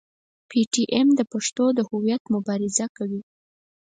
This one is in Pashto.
پي ټي ایم د پښتنو د هویت مبارزه کوي.